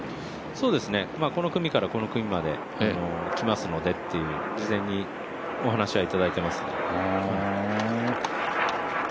そうです、この組からこの組まで来ますのでっていう事前にお話はいただいていますね。